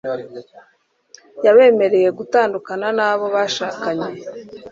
yabemereye gutandukana n'abo bashakanye